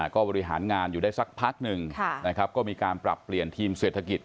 ก็บริหารงานอยู่ได้สักพักหนึ่งนะครับก็มีการปรับเปลี่ยนทีมเศรษฐกิจ